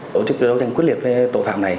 tổ chức đấu tranh quyết liệt với tội phạm này